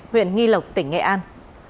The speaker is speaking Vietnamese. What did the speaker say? huyện nghi lộc tỉnh nghệ an